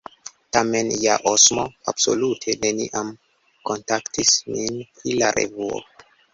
Tamen ja Osmo absolute neniam kontaktis nin pri la revuo.